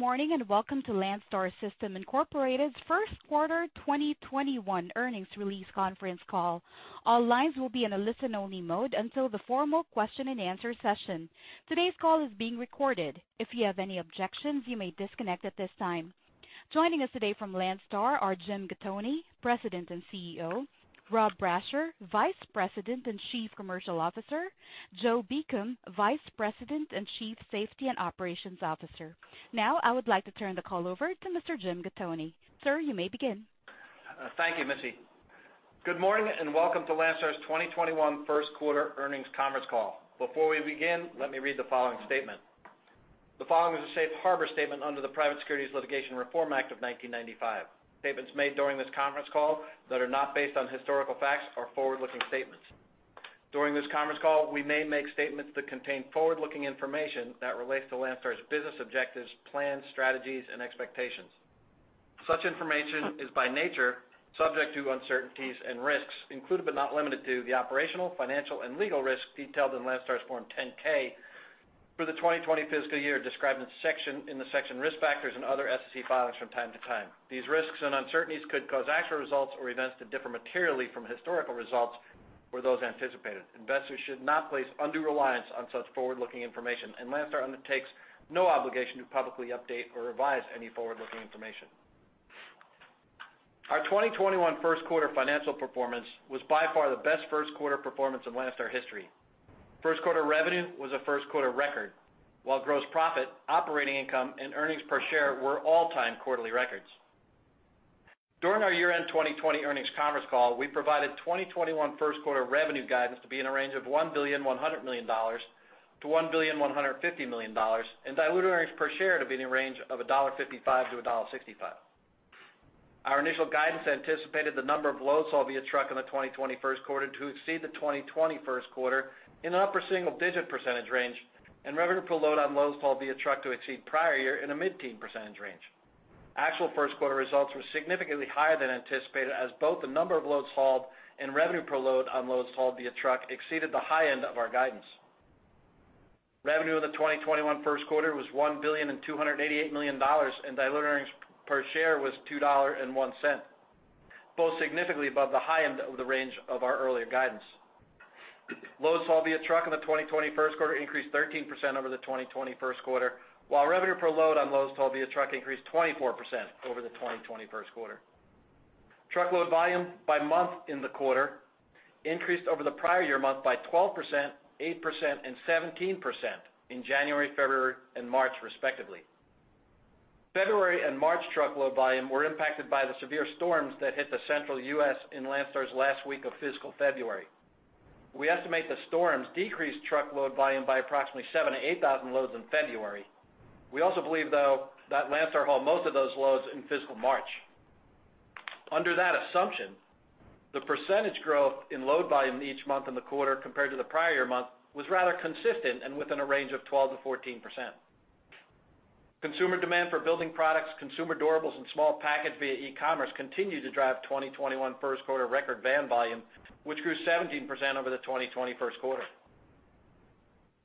Good morning. Welcome to Landstar System, Inc.'s first quarter 2021 earnings release conference call. All lines will be in a listen-only mode until the formal question-and-answer session. Today's call is being recorded. If you have any objections, you may disconnect at this time. Joining us today from Landstar are Jim Gattoni, President and CEO; Rob Brasher, Vice President and Chief Commercial Officer; Joe Beacom, Vice President and Chief Safety and Operations Officer. I would like to turn the call over to Mr. Jim Gattoni. Sir, you may begin. Thank you, Missy. Good morning, and welcome to Landstar's 2021 first quarter earnings conference call. Before we begin, let me read the following statement. The following is a safe harbor statement under the Private Securities Litigation Reform Act of 1995. Statements made during this conference call that are not based on historical facts are forward-looking statements. During this conference call, we may make statements that contain forward-looking information that relates to Landstar's business objectives, plans, strategies, and expectations. Such information is, by nature, subject to uncertainties and risks, including but not limited to the operational, financial, and legal risks detailed in Landstar's Form 10-K for the 2020 fiscal year described in the section Risk Factors and other SEC filings from time to time. These risks and uncertainties could cause actual results or events to differ materially from historical results or those anticipated. Investors should not place undue reliance on such forward-looking information, and Landstar undertakes no obligation to publicly update or revise any forward-looking information. Our 2021 first quarter financial performance was by far the best first quarter performance in Landstar history. First quarter revenue was a first-quarter record, while gross profit, operating income, and earnings per share were all-time quarterly records. During our year-end 2020 earnings conference call, we provided 2021 first quarter revenue guidance to be in a range of $1.1 billion-$1.15 billion, and diluted earnings per share to be in the range of $1.55-$1.65. Our initial guidance anticipated the number of loads hauled via truck in the 2020 first quarter to exceed the 2020 first quarter in an upper single-digit percentage range, and revenue per load on loads hauled via truck to exceed prior year in a mid-teen percentage range. Actual first-quarter results were significantly higher than anticipated as both the number of loads hauled and revenue per load on loads hauled via truck exceeded the high end of our guidance. Revenue in the 2021 first quarter was $1 billion and $288 million, and diluted earnings per share was $2.01, both significantly above the high end of the range of our earlier guidance. Loads hauled via truck in the 2021 first quarter increased 13% over the 2020 first quarter, while revenue per load on loads hauled via truck increased 24% over the 2020 first quarter. Truckload volume by month in the quarter increased over the prior year month by 12%, 8%, and 17% in January, February, and March, respectively. February and March truckload volume were impacted by the severe storms that hit the central U.S. in Landstar's last week of fiscal February. We estimate the storms decreased truckload volume by approximately 78,000 loads in February. We also believe, though, that Landstar hauled most of those loads in fiscal March. Under that assumption, the percentage growth in load volume each month in the quarter compared to the prior month was rather consistent and within a range of 12%-14%. Consumer demand for building products, consumer durables, and small package via e-commerce continued to drive 2021 first quarter record van volume, which grew 17% over the 2020 first quarter.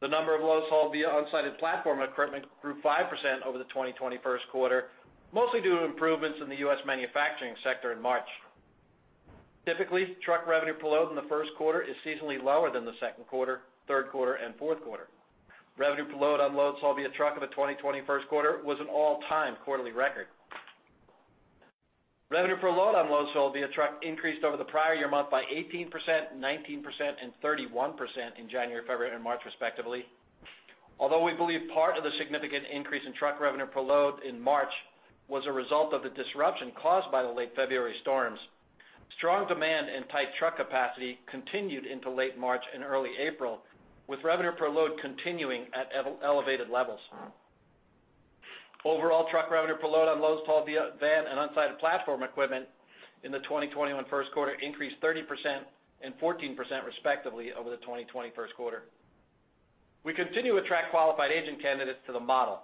The number of loads hauled via unsided platform equipment grew 5% over the 2020 first quarter, mostly due to improvements in the U.S. manufacturing sector in March. Typically, truck revenue per load in the first quarter is seasonally lower than the second quarter, third quarter, and fourth quarter. Revenue per load on loads hauled via truck in the 2021 first quarter was an all-time quarterly record. Revenue per load on loads hauled via truck increased over the prior year month by 18%, 19%, and 31% in January, February, and March, respectively. Although we believe part of the significant increase in truck revenue per load in March was a result of the disruption caused by the late February storms, strong demand and tight truck capacity continued into late March and early April, with revenue per load continuing at elevated levels. Overall truck revenue per load on loads hauled via van and unsided platform equipment in the 2021 first quarter increased 30% and 14%, respectively, over the 2020 first quarter. We continue to attract qualified agent candidates to the model.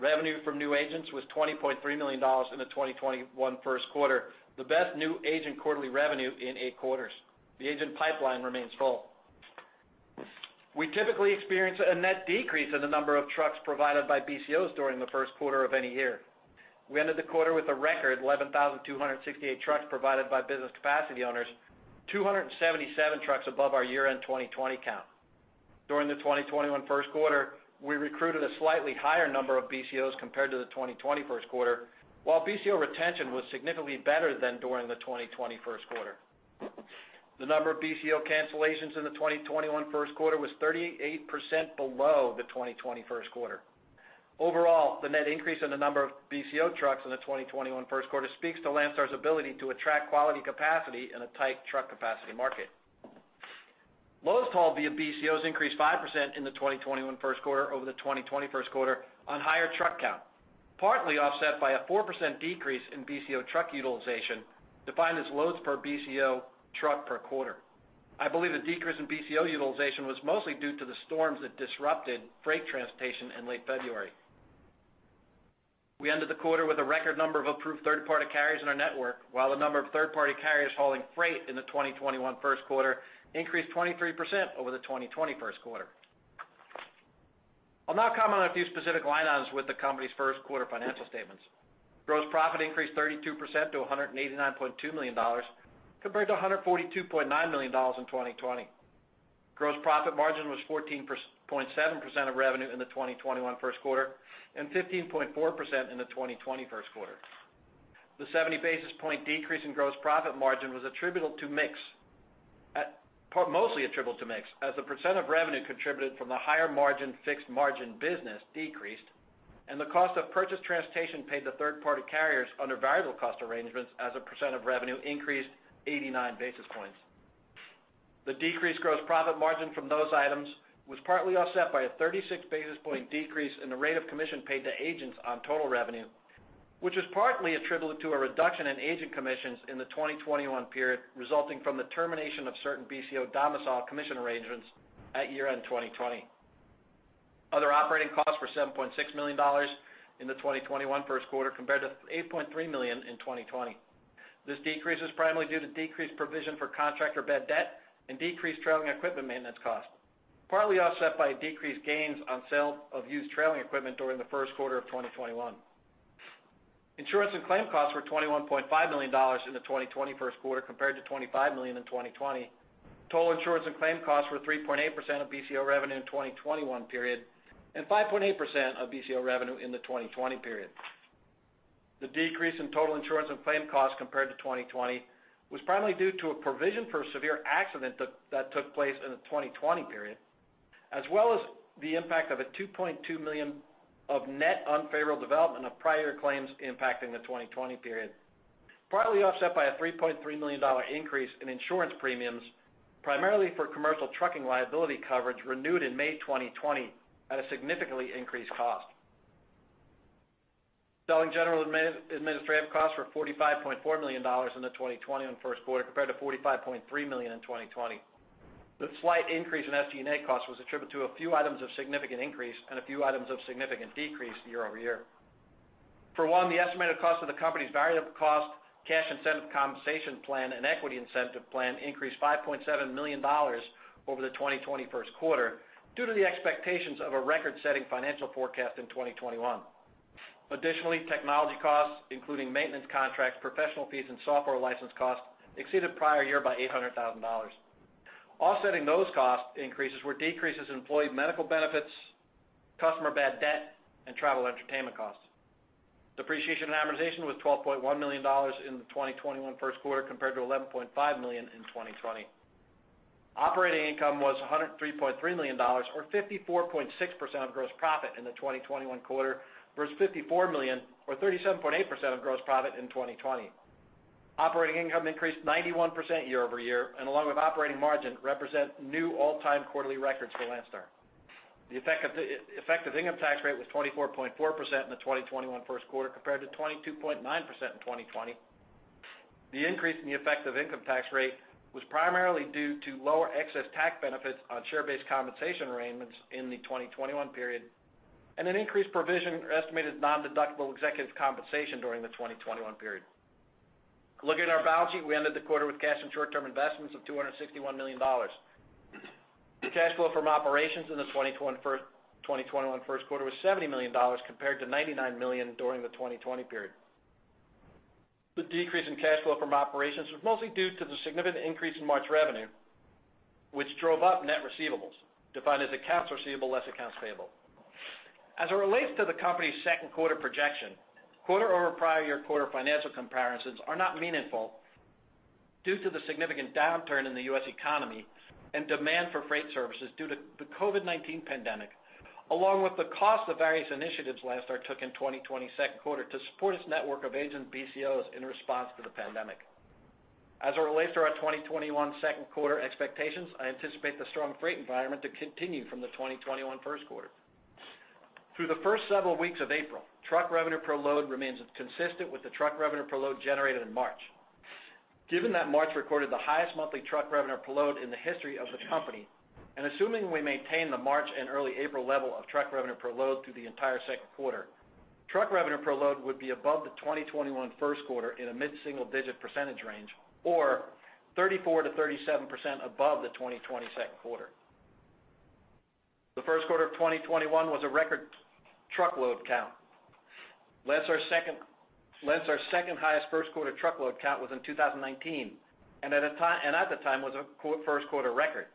Revenue from new agents was $20.3 million in the 2021 first quarter, the best new agent quarterly revenue in eight quarters. The agent pipeline remains full. We typically experience a net decrease in the number of trucks provided by BCOs during the first quarter of any year. We ended the quarter with a record 11,268 trucks provided by business capacity owners, 277 trucks above our year-end 2020 count. During the 2021 first quarter, we recruited a slightly higher number of BCOs compared to the 2020 first quarter, while BCO retention was significantly better than during the 2020 first quarter. The number of BCO cancellations in the 2021 first quarter was 38% below the 2020 first quarter. Overall, the net increase in the number of BCO trucks in the 2021 first quarter speaks to Landstar's ability to attract quality capacity in a tight truck capacity market. Loads hauled via BCOs increased 5% in the 2021 first quarter over the 2020 first quarter on higher truck count, partly offset by a 4% decrease in BCO truck utilization, defined as loads per BCO truck per quarter. I believe the decrease in BCO utilization was mostly due to the storms that disrupted freight transportation in late February. We ended the quarter with a record number of approved third-party carriers in our network, while the number of third-party carriers hauling freight in the 2021 first quarter increased 23% over the 2020 first quarter. I'll now comment on a few specific line items with the company's first quarter financial statements. Gross profit increased 32% to $189.2 million compared to $142.9 million in 2020. Gross profit margin was 14.7% of revenue in the 2021 first quarter, and 15.4% in the 2020 first quarter. The 70 basis point decrease in gross profit margin was mostly attributable to mix, as the percent of revenue contributed from the higher margin fixed margin business decreased, and the cost of purchased transportation paid to third-party carriers under variable cost arrangements as a percent of revenue increased 89 basis points. The decreased gross profit margin from those items was partly offset by a 36-basis point decrease in the rate of commission paid to agents on total revenue, which was partly attributable to a reduction in agent commissions in the 2021 period, resulting from the termination of certain BCO domicile commission arrangements at year-end 2020. Other operating costs were $7.6 million in the 2021 first quarter compared to $8.3 million in 2020. This decrease is primarily due to decreased provision for contract or bad debt and decreased trailing equipment maintenance cost, partly offset by decreased gains on sale of used trailing equipment during the first quarter of 2021. Insurance and claim costs were $21.5 million in the 2021 first quarter compared to $25 million in 2020. Total insurance and claim costs were 3.8% of BCO revenue in 2021 period, and 5.8% of BCO revenue in the 2020 period. The decrease in total insurance and claim costs compared to 2020 was primarily due to a provision for a severe accident that took place in the 2020 period, as well as the impact of a $2.2 million of net unfavorable development of prior claims impacting the 2020 period, partly offset by a $3.3 million increase in insurance premiums, primarily for commercial trucking liability coverage renewed in May 2020 at a significantly increased cost. Selling, general, and administrative costs were $45.4 million in the 2021 first quarter compared to $45.3 million in 2020. The slight increase in SG&A costs was attributed to a few items of significant increase and a few items of significant decrease year-over-year. For one, the estimated cost of the company's variable cost cash incentive compensation plan and equity incentive plan increased $5.7 million over the 2020 first quarter due to the expectations of a record-setting financial forecast in 2021. Technology costs, including maintenance contracts, professional fees, and software license costs, exceeded the prior year by $800,000. Offsetting those cost increases were decreases in employee medical benefits, customer bad debt, and travel entertainment costs. Depreciation and amortization was $12.1 million in the 2021 first quarter compared to $11.5 million in 2020. Operating income was $103.3 million, or 54.6% of gross profit in the 2021 quarter, versus $54 million or 37.8% of gross profit in 2020. Operating income increased 91% year-over-year, and along with operating margin, represent new all-time quarterly records for Landstar. The effective income tax rate was 24.4% in the 2021 first quarter compared to 22.9% in 2020. The increase in the effective income tax rate was primarily due to lower excess tax benefits on share-based compensation arrangements in the 2021 period, and an increased provision for estimated nondeductible executive compensation during the 2021 period. Looking at our balance sheet, we ended the quarter with cash and short-term investments of $261 million. Cash flow from operations in the 2021 first quarter was $70 million compared to $99 million during the 2020 period. The decrease in cash flow from operations was mostly due to the significant increase in March revenue, which drove up net receivables, defined as accounts receivable less accounts payable. As it relates to the company's second quarter projection, quarter-over-prior-year quarter financial comparisons are not meaningful due to the significant downturn in the U.S. economy and demand for freight services due to the COVID-19 pandemic, along with the cost of various initiatives Landstar took in 2020's second quarter to support its network of agent BCOs in response to the pandemic. As it relates to our 2021 second quarter expectations, I anticipate the strong freight environment to continue from the 2021 first quarter. Through the first several weeks of April, truck revenue per load remains consistent with the truck revenue per load generated in March. Given that March recorded the highest monthly truck revenue per load in the history of Landstar, and assuming we maintain the March and early April level of truck revenue per load through the entire second quarter, truck revenue per load would be above the 2021 first quarter in a mid-single-digit percentage range, or 34%-37% above the 2020 second quarter. The first quarter of 2021 was a record truck load count. Landstar's second highest first quarter truck load count was in 2019, and at the time was a first-quarter record.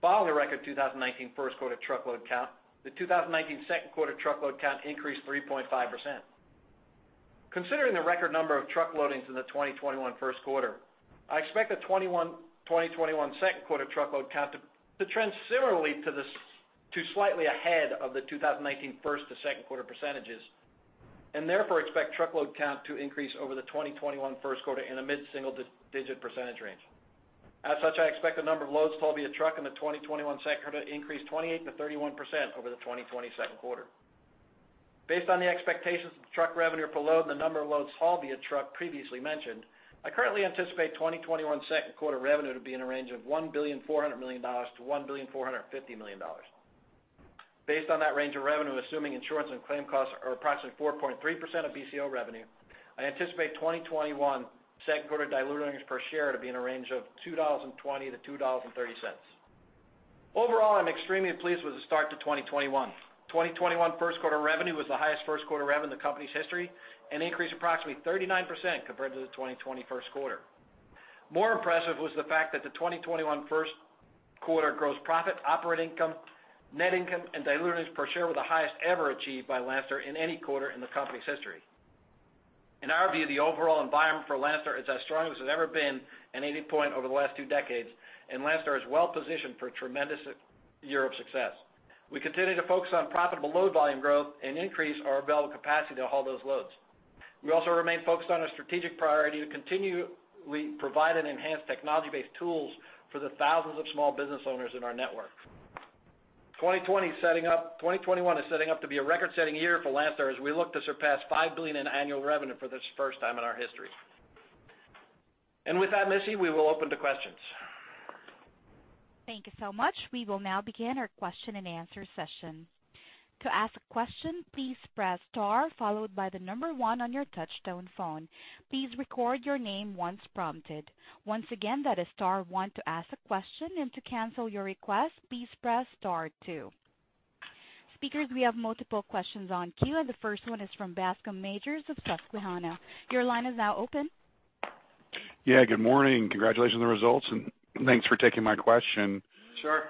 Following the record 2019 first quarter truck load count, the 2019 second quarter truck load count increased 3.5%. Considering the record number of truck loadings in the 2021 first quarter, I expect the 2021 second quarter truck load count to trend similarly to slightly ahead of the 2019 first to second quarter percentages, therefore expect truck load count to increase over the 2021 first quarter in a mid-single-digit percentage range. As such, I expect the number of loads hauled via truck in the 2021 second quarter to increase 28%-31% over the 2020 second quarter. Based on the expectations of the truck revenue per load and the number of loads hauled via truck previously mentioned, I currently anticipate 2021 second quarter revenue to be in a range of $1.4 billion-$1.45 billion. Based on that range of revenue, assuming insurance and claim costs are approximately 4.3% of BCO revenue, I anticipate 2021 second quarter diluted earnings per share to be in a range of $2.20-$2.30. Overall, I'm extremely pleased with the start to 2021. 2021 first quarter revenue was the highest first quarter rev in the company's history, an increase of approximately 39% compared to the 2020 first quarter. More impressive was the fact that the 2021 first quarter gross profit, operating income, net income and diluted earnings per share were the highest ever achieved by Landstar in any quarter in the company's history. In our view, the overall environment for Landstar is as strong as it's ever been at any point over the last two decades, and Landstar is well positioned for a tremendous year of success. We continue to focus on profitable load volume growth and increase our available capacity to haul those loads. We also remain focused on a strategic priority to continually provide and enhance technology-based tools for the thousands of small business owners in our network. 2021 is setting up to be a record-setting year for Landstar as we look to surpass $5 billion in annual revenue for the first time in our history. With that, Missy, we will open to questions. Thank you so much. We will now begin our question-and-answer session. To ask a question, please press star followed by the number one on your touch-tone phone. Please record your name once prompted. Once again, that is star one to ask a question, and to cancel your request, please press star two. Speakers, we have multiple questions on queue, and the first one is from Bascome Majors of Susquehanna. Your line is now open. Yeah, good morning. Congratulations on the results, and thanks for taking my question. Sure.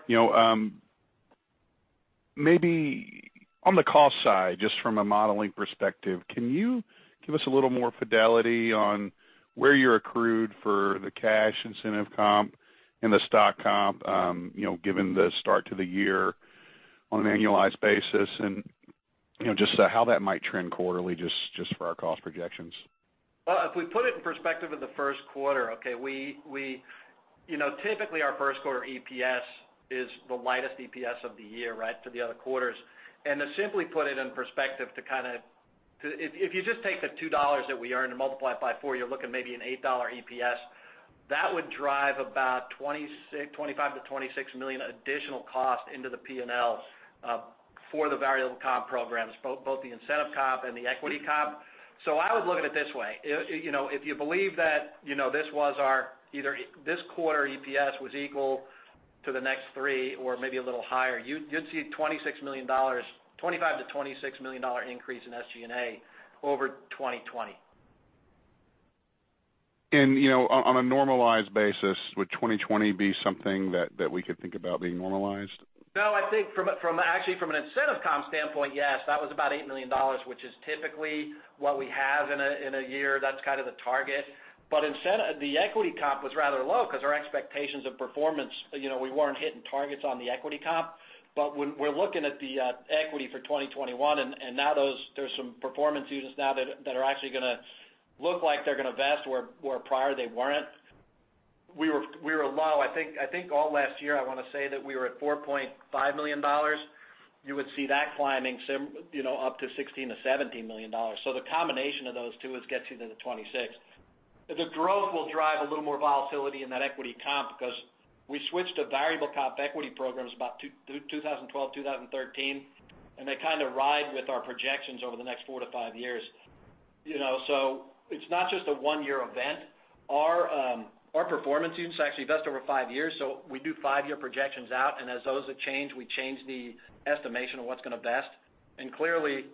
Maybe on the cost side, just from a modeling perspective, can you give us a little more fidelity on where you're accrued for the cash incentive comp and the stock comp, given the start to the year on an annualized basis and just how that might trend quarterly just for our cost projections? If we put it in perspective of the first quarter, okay, typically our first quarter EPS is the lightest EPS of the year to the other quarters. To simply put it in perspective, if you just take the $2 that we earn and multiply it by four, you're looking maybe at an $8 EPS. That would drive about $25 million-$26 million additional cost into the P&L for the variable comp programs, both the incentive comp and the equity comp. I would look at it this way, if you believe that either this quarter EPS was equal to the next three or maybe a little higher, you'd see $25 million-$26 million increase in SG&A over 2020. On a normalized basis, would 2020 be something that we could think about being normalized? No, I think actually from an incentive comp standpoint, yes. That was about $8 million, which is typically what we have in a year. That's kind of the target. The equity comp was rather low because our expectations of performance, we weren't hitting targets on the equity comp. We're looking at the equity for 2021, and now there's some performance units now that are actually going to look like they're going to vest where prior they weren't. We were low. I think all last year, I want to say that we were at $4.5 million. You would see that climbing up to $16 million-$17 million. The combination of those two gets you to the $26 million. The growth will drive a little more volatility in that equity comp because we switched to variable comp equity programs about 2012, 2013, and they kind of ride with our projections over the next four to five years. It's not just a one-year event. Our performance units actually vest over five years, so we do five-year projections out, and as those change, we change the estimation of what's going to vest. Clearly,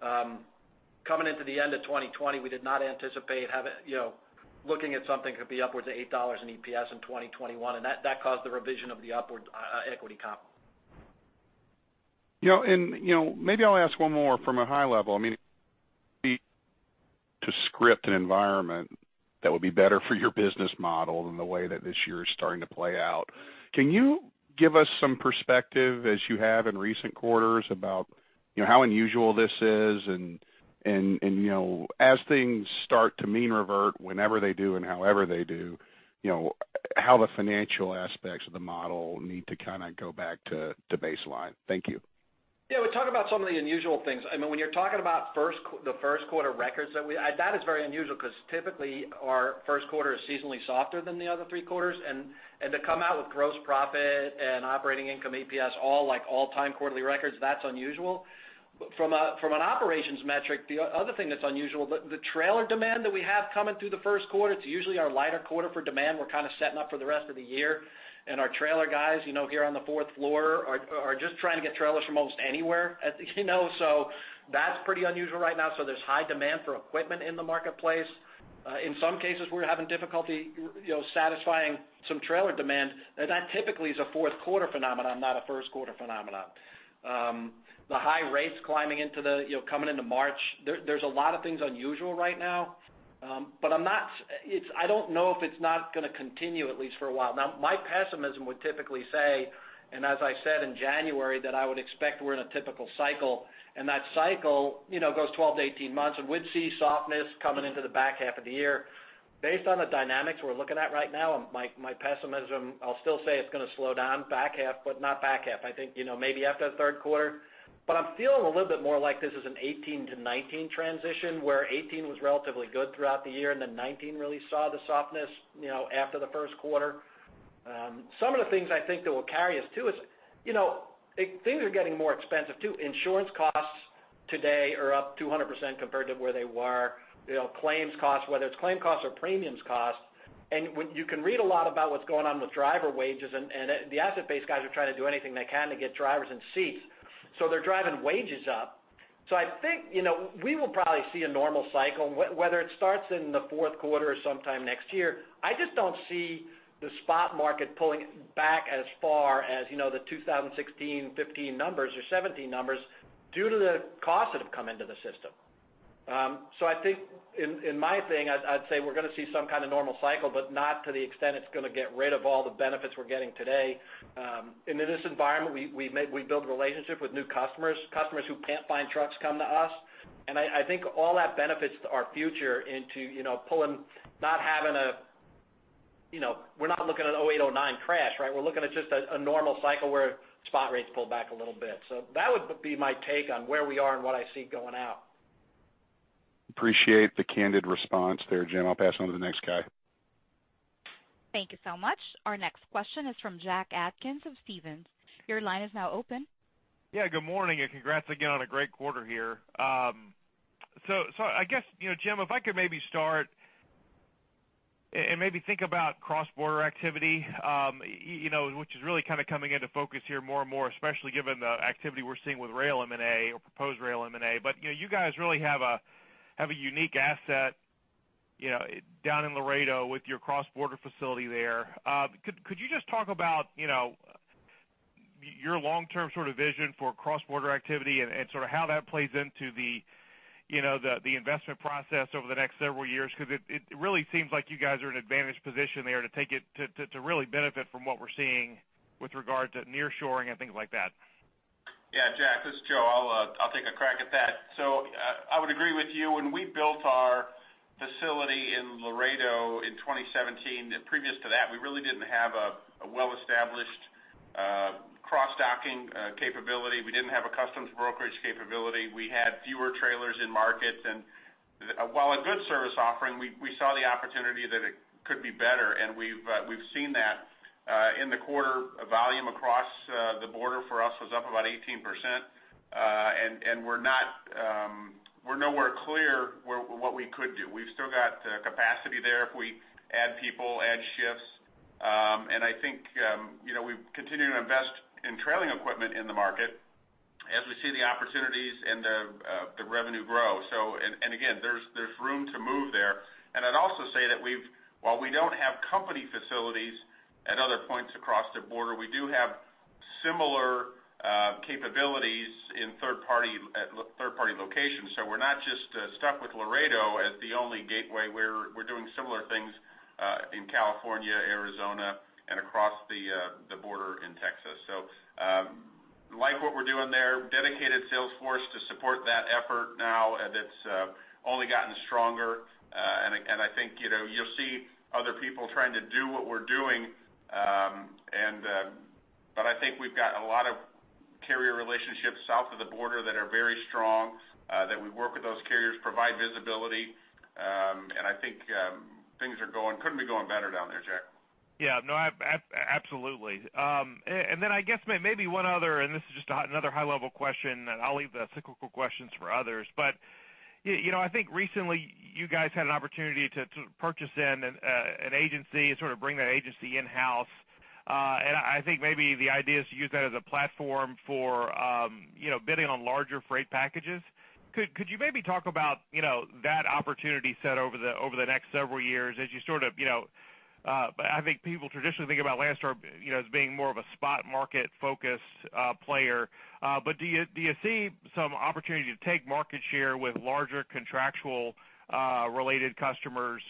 coming into the end of 2020, we did not anticipate looking at something could be upwards of $8 in EPS in 2021, and that caused the revision of the upward equity comp. Maybe I'll ask one more from a high level. I mean, to script an environment that would be better for your business model than the way that this year is starting to play out, can you give us some perspective as you have in recent quarters about how unusual this is and as things start to mean revert whenever they do and however they do, how the financial aspects of the model need to kind of go back to baseline? Thank you. Yeah, we talk about some of the unusual things. I mean, when you're talking about the first quarter records that we had, that is very unusual because typically our first quarter is seasonally softer than the other three quarters. To come out with gross profit and operating income EPS all like all-time quarterly records, that's unusual. From an operations metric, the other thing that's unusual, the trailer demand that we have coming through the first quarter, it's usually our lighter quarter for demand. We're kind of setting up for the rest of the year, and our trailer guys here on the fourth floor are just trying to get trailers from almost anywhere. That's pretty unusual right now. There's high demand for equipment in the marketplace. In some cases, we're having difficulty satisfying some trailer demand. That typically is a fourth quarter phenomenon, not a first quarter phenomenon. The high rates coming into March. There's a lot of things unusual right now, but I don't know if it's not going to continue, at least for a while. Now, my pessimism would typically say, and as I said in January, that I would expect we're in a typical cycle, and that cycle goes 12-18 months, and we'd see softness coming into the back half of the year. Based on the dynamics we're looking at right now, my pessimism, I'll still say it's going to slow down back half, but not back half. I think maybe after the third quarter. I'm feeling a little bit more like this is a 2018 to 2019 transition, where 2018 was relatively good throughout the year, and then 2019 really saw the softness after the first quarter. Some of the things I think that will carry us too is, things are getting more expensive too. Insurance costs today are up 200% compared to where they were. Claims costs, whether it's claim costs or premiums costs, and you can read a lot about what's going on with driver wages, and the asset base guys are trying to do anything they can to get drivers in seats. They're driving wages up. I think, we will probably see a normal cycle, whether it starts in the fourth quarter or sometime next year. I just don't see the spot market pulling back as far as the 2016, 2015 numbers or 2017 numbers due to the costs that have come into the system. I think, in my thing, I'd say we're going to see some kind of normal cycle, but not to the extent it's going to get rid of all the benefits we're getting today. In this environment, we build relationships with new customers. Customers who can't find trucks come to us. I think all that benefits our future. We're not looking at a 2008, 2009 crash, right? We're looking at just a normal cycle where spot rates pull back a little bit. That would be my take on where we are and what I see going out. Appreciate the candid response there, Jim. I'll pass it on to the next guy. Thank you so much. Our next question is from Jack Atkins of Stephens. Your line is now open. Yeah, good morning. Congrats again on a great quarter here. I guess, Jim, if I could maybe start and maybe think about cross-border activity, which is really kind of coming into focus here more and more, especially given the activity we're seeing with rail M&A or proposed rail M&A. You guys really have a unique asset down in Laredo with your cross-border facility there. Could you just talk about your long-term sort of vision for cross-border activity and sort of how that plays into the investment process over the next several years? It really seems like you guys are in an advantaged position there to take it to really benefit from what we're seeing with regard to nearshoring and things like that. Yeah. Jack, this is Joe. I'll take a crack at that. I would agree with you. When we built our facility in Laredo in 2017, previous to that, we really didn't have a well-established cross-docking capability. We didn't have a customs brokerage capability. We had fewer trailers in markets, and while a good service offering, we saw the opportunity that it could be better, and we've seen that. In the quarter, volume across the border for us was up about 18%, and we're nowhere clear what we could do. We've still got capacity there if we add people, add shifts. I think we continue to invest in trailing equipment in the market as we see the opportunities and the revenue grow. Again, there's room to move there. I'd also say that while we don't have company facilities at other points across the border, we do have similar capabilities at third-party locations. We're not just stuck with Laredo as the only gateway. We're doing similar things in California, Arizona, and across the border in Texas. Like what we're doing there, dedicated sales force to support that effort now, and it's only gotten stronger. I think you'll see other people trying to do what we're doing. I think we've got a lot of carrier relationships south of the border that are very strong, that we work with those carriers, provide visibility. I think things couldn't be going better down there, Jack. Yeah. No, absolutely. Then I guess maybe one other, and this is just another high-level question, and I'll leave the cyclical questions for others. I think recently you guys had an opportunity to purchase in an agency and sort of bring that agency in-house. I think maybe the idea is to use that as a platform for bidding on larger freight packages. Could you maybe talk about that opportunity set over the next several years as you sort of I think people traditionally think about Landstar as being more of a spot market-focused player. Do you see some opportunity to take market share with larger contractual-related customers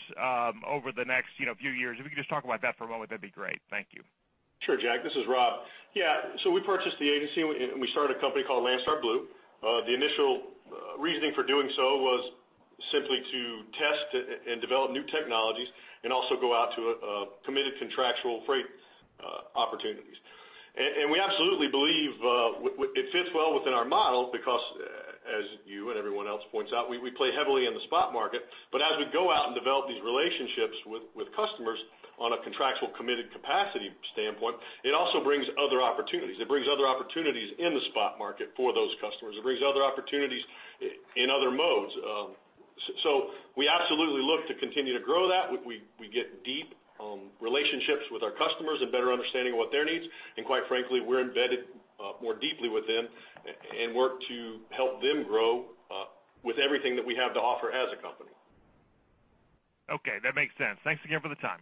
over the next few years? If you could just talk about that for a moment, that'd be great. Thank you. Sure, Jack. This is Rob. Yeah. We purchased the agency, and we started a company called Landstar Blue. The initial reasoning for doing so was simply to test and develop new technologies and also go out to committed contractual freight opportunities. We absolutely believe it fits well within our model because as you and everyone else points out, we play heavily in the spot market. As we go out and develop these relationships with customers on a contractual committed capacity standpoint, it also brings other opportunities. It brings other opportunities in the spot market for those customers. It brings other opportunities in other modes. We absolutely look to continue to grow that. We get deep relationships with our customers and better understanding of what their needs. Quite frankly, we're embedded more deeply with them and work to help them grow with everything that we have to offer as a company. Okay. That makes sense. Thanks again for the time.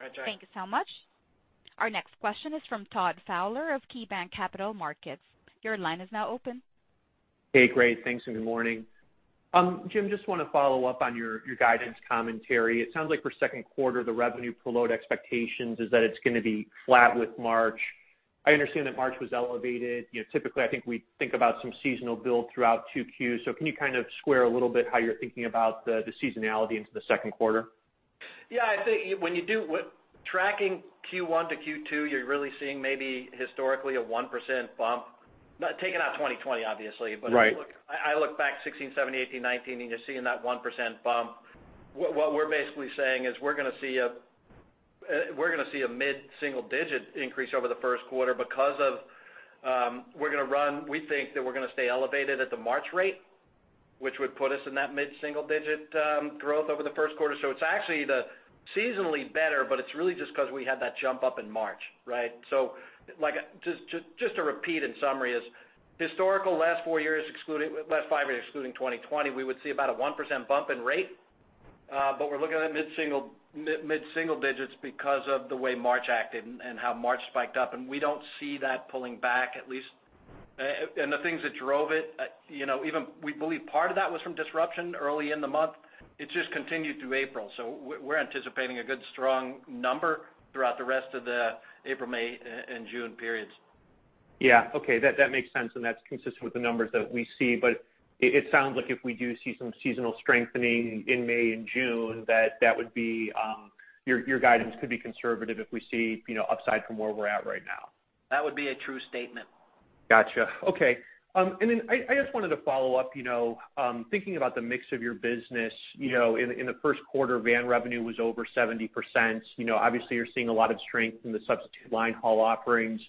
All right, Jack. Thank you so much. Our next question is from Todd Fowler of KeyBanc Capital Markets. Your line is now open. Hey, great. Thanks, and good morning. Jim, just want to follow up on your guidance commentary. It sounds like for second quarter, the revenue preload expectations is that it's going to be flat with March. I understand that March was elevated. Typically, I think we think about some seasonal build throughout 2Q. Can you kind of square a little bit how you're thinking about the seasonality into the second quarter? Yeah, I think when you do tracking Q1 to Q2, you're really seeing maybe historically a 1% bump. Taking out 2020, obviously. Right. If I look back 2016, 2017, 2018, 2019, and you're seeing that 1% bump, what we're basically saying is we're going to see a mid-single-digit increase over the first quarter because we think that we're going to stay elevated at the March rate, which would put us in that mid-single-digit growth over the first quarter. It's actually seasonally better, but it's really just because we had that jump up in March. Right? Just to repeat in summary is historical last five years excluding 2020, we would see about a 1% bump in rate. We're looking at mid-single digits because of the way March acted and how March spiked up, and we don't see that pulling back at least. The things that drove it, we believe part of that was from disruption early in the month. It just continued through April. We're anticipating a good, strong number throughout the rest of the April, May, and June periods. Yeah. Okay. That makes sense, and that's consistent with the numbers that we see. It sounds like if we do see some seasonal strengthening in May and June, that your guidance could be conservative if we see upside from where we're at right now. That would be a true statement. Got you. Okay. I just wanted to follow up, thinking about the mix of your business. In the first quarter, van revenue was over 70%. Obviously, you're seeing a lot of strength in the substitute line haul offerings.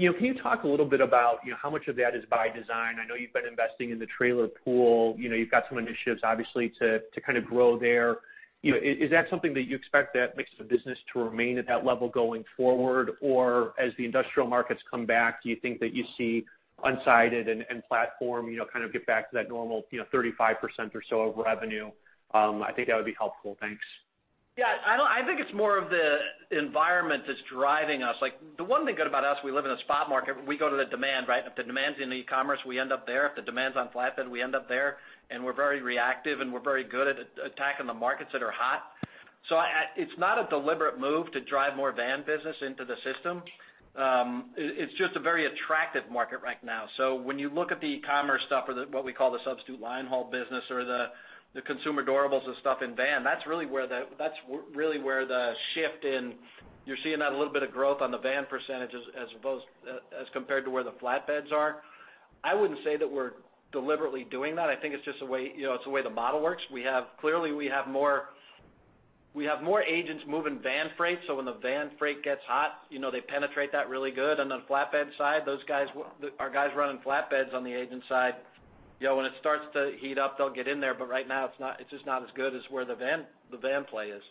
Can you talk a little bit about how much of that is by design? I know you've been investing in the trailer pool. You've got some initiatives obviously to kind of grow there. Is that something that you expect that mix of business to remain at that level going forward? Or as the industrial markets come back, do you think that you see unsided and platform kind of get back to that normal 35% or so of revenue? I think that would be helpful. Thanks. I think it's more of the environment that's driving us. The one thing good about us, we live in a spot market. We go to the demand, right? If the demand's in e-commerce, we end up there. If the demand's on flatbed, we end up there, and we're very reactive, and we're very good at attacking the markets that are hot. It's not a deliberate move to drive more van business into the system. It's just a very attractive market right now. When you look at the e-commerce stuff or what we call the substitute line haul business or the consumer durables and stuff in van, that's really where the shift in you're seeing that a little bit of growth on the van percentages as compared to where the flatbeds are. I wouldn't say that we're deliberately doing that. I think it's the way the model works. Clearly, we have more agents moving van freight. When the van freight gets hot, they penetrate that really good. On the flatbed side, our guys running flatbeds on the agent side, when it starts to heat up, they'll get in there. Right now, it's just not as good as where the van play is.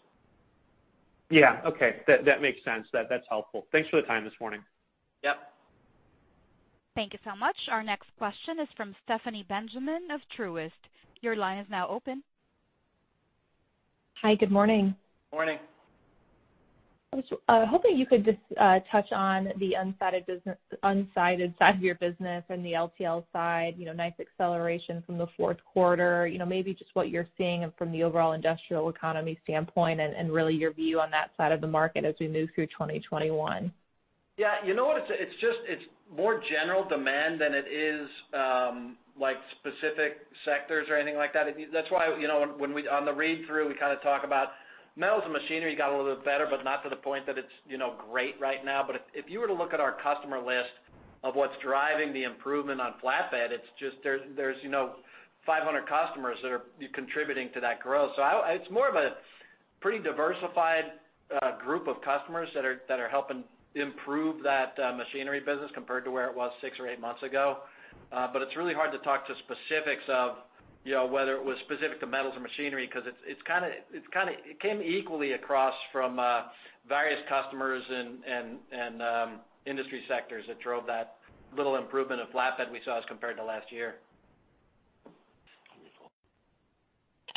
Yeah. Okay. That makes sense. That's helpful. Thanks for the time this morning. Yep. Thank you so much. Our next question is from Stephanie Benjamin of Truist. Your line is now open. Hi, good morning. Morning. I was hoping you could just touch on the unsided side of your business and the LTL side, nice acceleration from the fourth quarter. Maybe just what you're seeing from the overall industrial economy standpoint and really your view on that side of the market as we move through 2021? Yeah. You know what? It's more general demand than it is specific sectors or anything like that. That's why on the read-through, we kind of talk about metals and machinery got a little bit better, but not to the point that it's great right now. If you were to look at our customer list of what's driving the improvement on flatbed, there's 500 customers that are contributing to that growth. It's more of a pretty diversified group of customers that are helping improve that machinery business compared to where it was six or eight months ago. It's really hard to talk to specifics of whether it was specific to metals or machinery because it came equally across from various customers and industry sectors that drove that little improvement of flatbed we saw as compared to last year.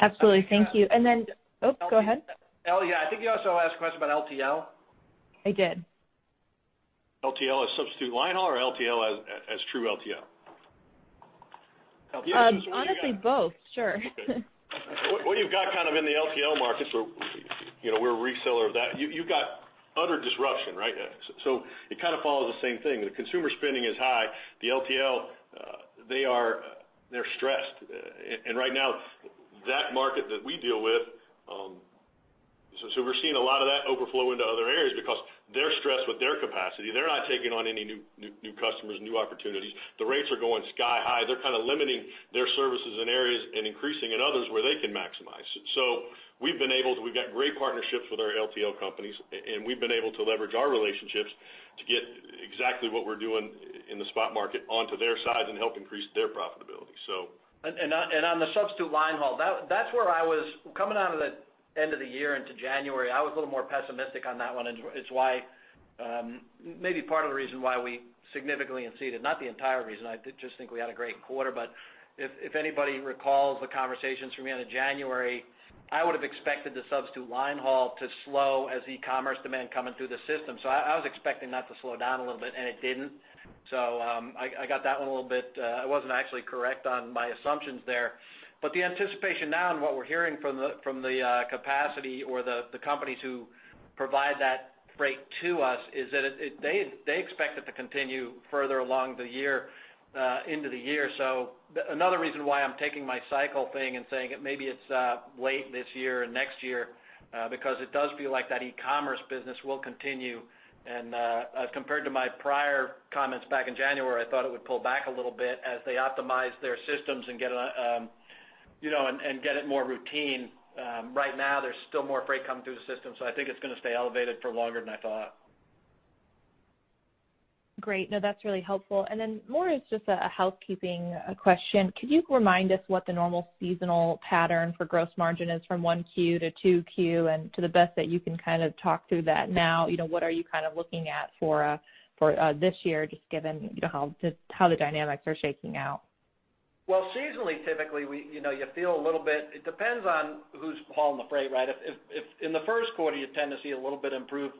Absolutely. Thank you. Oh, go ahead. I think you also asked a question about LTL. I did. LTL as substitute line haul or LTL as true LTL? Honestly, both. Sure. Okay. What you've got kind of in the LTL markets where we're a reseller of that, you've got utter disruption, right? It kind of follows the same thing. The consumer spending is high. The LTL, they're stressed. Right now, that market that we deal with, so we're seeing a lot of that overflow into other areas because they're stressed with their capacity. They're not taking on any new customers, new opportunities. The rates are going sky high. They're kind of limiting their services in areas and increasing in others where they can maximize. We've got great partnerships with our LTL companies, and we've been able to leverage our relationships to get exactly what we're doing in the spot market onto their side and help increase their profitability. On the substitute line haul, that's where I was coming out of the end of the year into January, I was a little more pessimistic on that one. It's maybe part of the reason why we significantly exceeded, not the entire reason. I just think we had a great quarter. If anybody recalls the conversations from the end of January, I would have expected the substitute line haul to slow as e-commerce demand coming through the system. I was expecting that to slow down a little bit, and it didn't. I got that one a little bit. I wasn't actually correct on my assumptions there. The anticipation now and what we're hearing from the capacity or the companies who provide that freight to us is that they expect it to continue further along the year, into the year. Another reason why I'm taking my cycle thing and saying maybe it's late this year and next year because it does feel like that e-commerce business will continue. As compared to my prior comments back in January, I thought it would pull back a little bit as they optimize their systems and get it more routine. Right now, there's still more freight coming through the system, so I think it's going to stay elevated for longer than I thought. Great. No, that's really helpful. Then more as just a housekeeping question, could you remind us what the normal seasonal pattern for gross margin is from 1Q to 2Q? To the best that you can kind of talk through that now, what are you looking at for this year, just given how the dynamics are shaking out? Well, seasonally, typically, you feel a little bit. It depends on who's hauling the freight, right? In the first quarter, you tend to see a little bit improved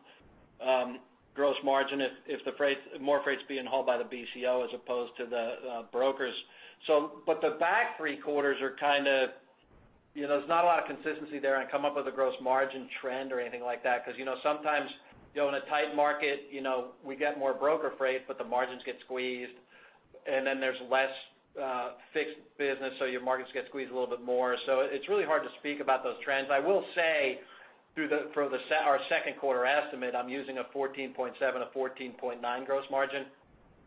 gross margin if more freight's being hauled by the BCO as opposed to the brokers. The back three quarters, there's not a lot of consistency there, and come up with a gross margin trend or anything like that. Because sometimes in a tight market we get more broker freight, but the margins get squeezed, and then there's less fixed business, so your margins get squeezed a little bit more. It's really hard to speak about those trends. I will say for our second quarter estimate, I'm using a 14.7%, a 14.9% gross margin,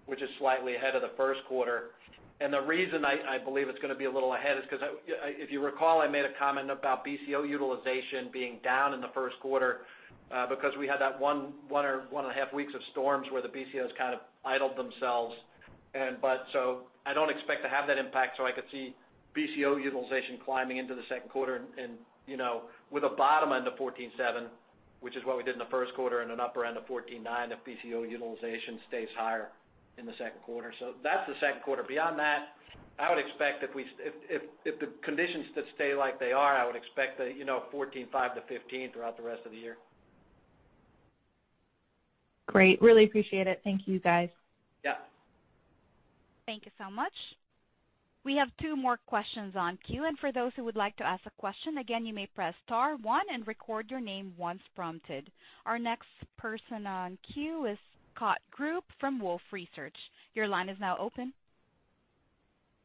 which is slightly ahead of the first quarter. The reason I believe it's going to be a little ahead is because if you recall, I made a comment about BCO utilization being down in the first quarter because we had that one or one and a half weeks of storms where the BCOs kind of idled themselves. I don't expect to have that impact, so I could see BCO utilization climbing into the second quarter, with a bottom end of 14.7, which is what we did in the first quarter, and an upper end of 14.9 if BCO utilization stays higher in the second quarter. That's the second quarter. Beyond that, if the conditions stay like they are, I would expect 14.5-15 throughout the rest of the year. Great. Really appreciate it. Thank you, guys. Yeah. Thank you so much. We have two more questions on queue. For those who would like to ask a question, again, you may press star one and record your name once prompted. Our next person on queue is Scott Group from Wolfe Research. Your line is now open.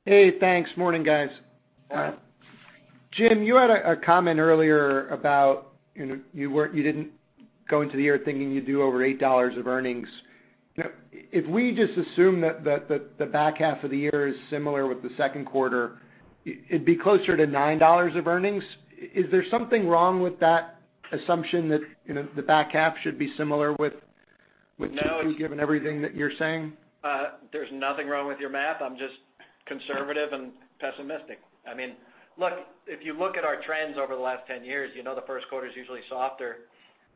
Hey, thanks. Morning, guys. Hi. Jim, you had a comment earlier about you didn't go into the year thinking you'd do over $8 of earnings. If we just assume that the back half of the year is similar with the second quarter, it'd be closer to $9 of earnings. Is there something wrong with that assumption that the back half should be similar? No, given everything that you're saying? There's nothing wrong with your math. I'm just conservative and pessimistic. Look, if you look at our trends over the last 10 years, you know the first quarter is usually softer.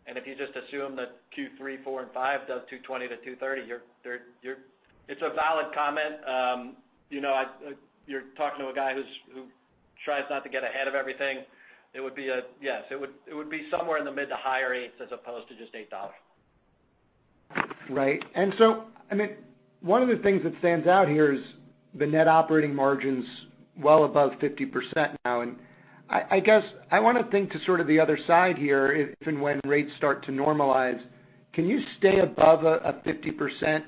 If you just assume that Q3, Q4, and Q5 does $2.20-$230, it's a valid comment. You're talking to a guy who tries not to get ahead of everything. Yes, it would be somewhere in the mid to higher $8s as opposed to just $8. Right. One of the things that stands out here is the net operating margin's well above 50% now. I want to think to sort of the other side here. If and when rates start to normalize, can you stay above a 50%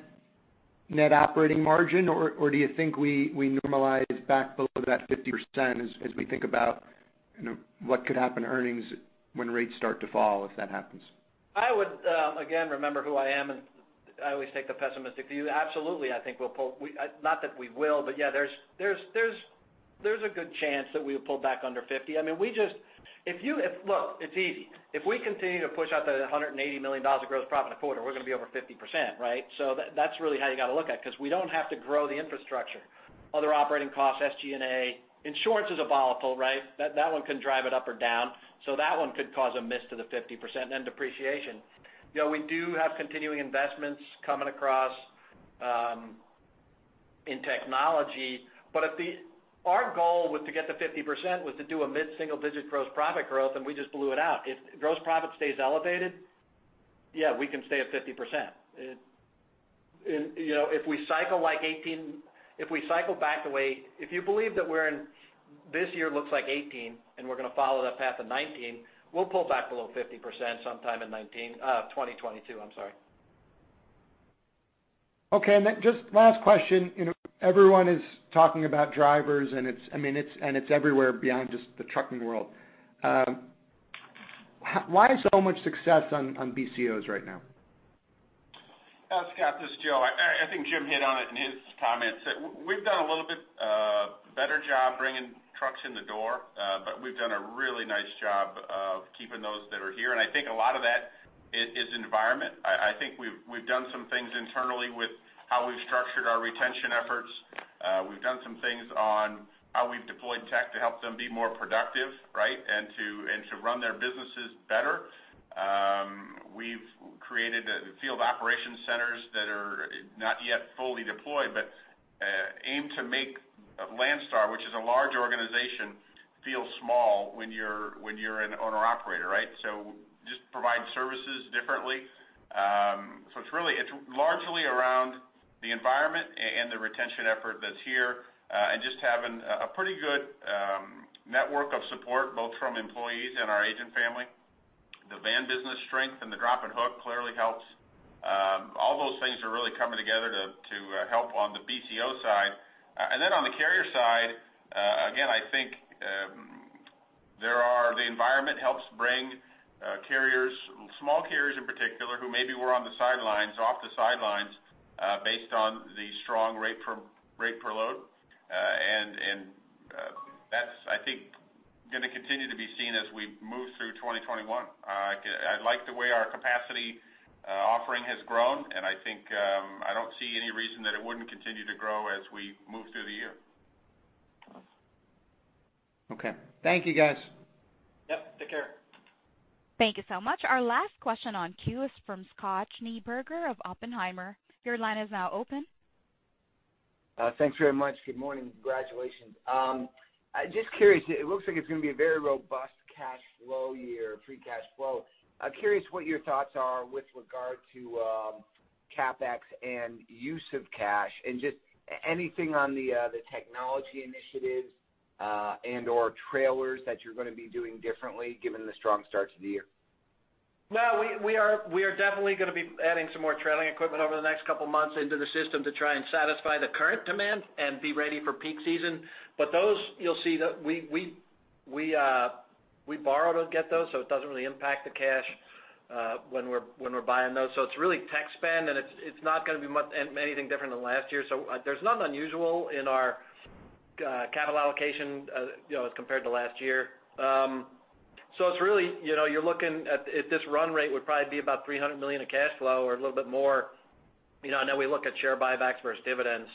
net operating margin, or do you think we normalize back below that 50% as we think about what could happen to earnings when rates start to fall if that happens? Remember who I am, I always take the pessimistic view. Absolutely, I think we'll pull back under 50%. It's easy. If we continue to push out the $180 million of gross profit a quarter, we're going to be over 50%, right? That's really how you got to look at it because we don't have to grow the infrastructure. Other operating costs, SG&A. Insurance is a volatile, right? That one can drive it up or down, so that one could cause a miss to the 50%, and then depreciation. We do have continuing investments coming across in technology. Our goal to get to 50% was to do a mid-single digit gross profit growth, and we just blew it out. If gross profit stays elevated, yeah, we can stay at 50%. If you believe that this year looks like 2018 and we're going to follow that path of 2019, we'll pull back below 50% sometime in 2022. Okay. Just last question. Everyone is talking about drivers, and it's everywhere beyond just the trucking world. Why so much success on BCOs right now? Scott, this is Joe. I think Jim hit on it in his comments. We've done a little bit better job bringing trucks in the door, but we've done a really nice job of keeping those that are here. I think a lot of that is environment. I think we've done some things internally with how we've structured our retention efforts. We've done some things on how we've deployed tech to help them be more productive and to run their businesses better. We've created field operations centers that are not yet fully deployed but aim to make Landstar, which is a large organization, feel small when you're an owner-operator. Just provide services differently. It's largely around the environment and the retention effort that's here, and just having a pretty good network of support, both from employees and our agent family. The van business strength and the drop and hook clearly helps. All those things are really coming together to help on the BCO side. On the carrier side, again, the environment helps bring carriers, small carriers in particular, who maybe were on the sidelines, off the sidelines based on the strong rate per load. That's, I think, going to continue to be seen as we move through 2021. I like the way our capacity offering has grown. I think I don't see any reason that it wouldn't continue to grow as we move through the year. Okay. Thank you, guys. Yep. Take care. Thank you so much. Our last question on queue is from Scott Schneeberger of Oppenheimer. Your line is now open. Thanks very much. Good morning. Congratulations. Just curious, it looks like it's going to be a very robust cash flow year, free cash flow. I'm curious what your thoughts are with regard to CapEx and use of cash, and just anything on the technology initiatives, and/or trailers that you're going to be doing differently given the strong start to the year. No, we are definitely going to be adding some more trailing equipment over the next couple of months into the system to try and satisfy the current demand and be ready for peak season. Those you'll see that we borrow to get those, so it doesn't really impact the cash when we're buying those. It's really tech spend, and it's not going to be anything different than last year. There's nothing unusual in our capital allocation as compared to last year. It's really, you're looking at this run rate would probably be about $300 million of cash flow or a little bit more. I know we look at share buybacks versus dividends.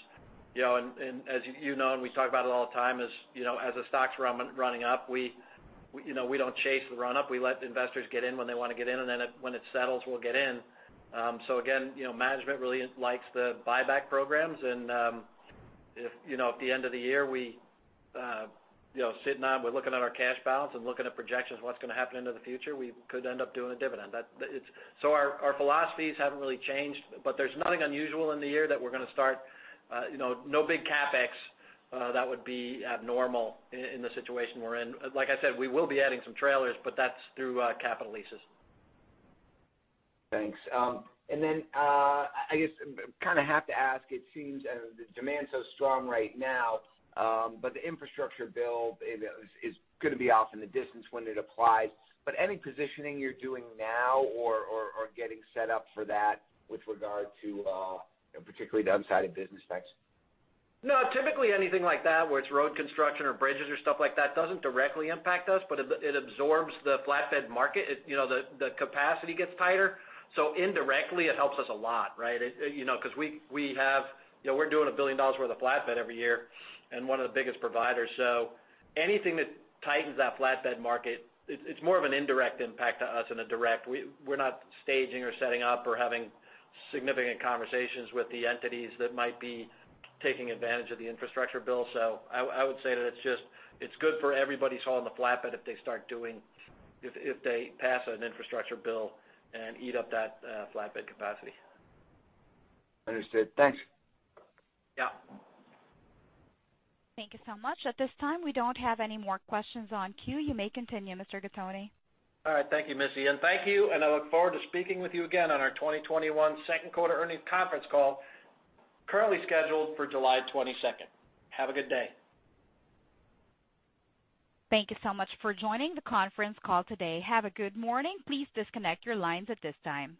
As you know, and we talk about it all the time is, as the stock's running up, we don't chase the run-up. We let investors get in when they want to get in, and then when it settles, we'll get in. Again, management really likes the buyback programs, and if at the end of the year, sitting down, we're looking at our cash balance and looking at projections of what's going to happen into the future, we could end up doing a dividend. Our philosophies haven't really changed, but there's nothing unusual in the year that we're going to start. No big CapEx that would be abnormal in the situation we're in. Like I said, we will be adding some trailers, but that's through capital leases. Thanks. I guess, kind of have to ask, it seems the demand is so strong right now, but the infrastructure bill is going to be off in the distance when it applies. Any positioning you're doing now or getting set up for that with regard to particularly the unsided business types? No, typically anything like that where it's road construction or bridges or stuff like that doesn't directly impact us, but it absorbs the flatbed market. The capacity gets tighter. Indirectly, it helps us a lot, right? Because we're doing $1 billion worth of flatbed every year and one of the biggest providers. Anything that tightens that flatbed market, it's more of an indirect impact to us than a direct. We're not staging or setting up or having significant conversations with the entities that might be taking advantage of the infrastructure bill. I would say that it's good for everybody hauling the flatbed if they pass an infrastructure bill and eat up that flatbed capacity. Understood. Thanks. Yeah. Thank you so much. At this time, we don't have any more questions on queue. You may continue, Mr. Gattoni. All right. Thank you, Missy. Thank you, and I look forward to speaking with you again on our 2021 second quarter earnings conference call, currently scheduled for July 22nd. Have a good day. Thank you so much for joining the conference call today. Have a good morning. Please disconnect your lines at this time.